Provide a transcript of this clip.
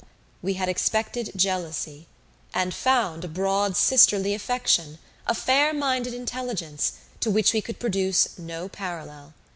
We had expected jealousy, and found a broad sisterly affection, a fair minded intelligence, to which we could produce no parallel.